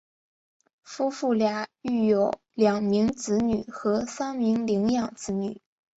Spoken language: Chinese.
夫妇俩育有两名子女和三名领养子女。